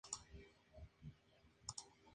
Su fachada principal se divide en tres tramos.